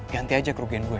ganti aja kerugian gue